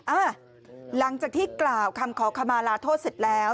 หลังจากที่กล่าวคำขอขมาลาโทษเสร็จแล้ว